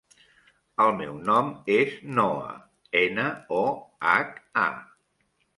El meu nom és Noha: ena, o, hac, a.